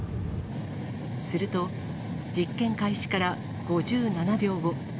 すると、実験開始から５７秒後。